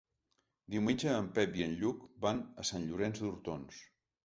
Diumenge en Pep i en Lluc van a Sant Llorenç d'Hortons.